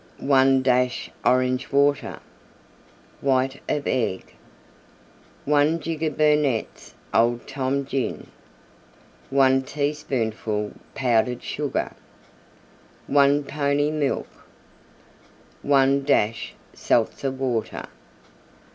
1 dash Orange Water. White of Egg. 1 jigger Burnette's Old Tom Gin. 1 teaspoonful Powdered Sugar. 1 pony Milk. 1 dash Seltzer Water.